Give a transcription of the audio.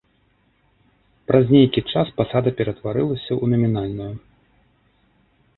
Праз нейкі час пасада ператварылася ў намінальную.